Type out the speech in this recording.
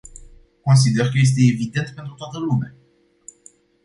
Consider că este evident pentru toată lumea.